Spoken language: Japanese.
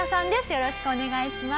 よろしくお願いします。